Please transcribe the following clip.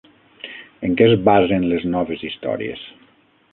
En què es basen les noves històries?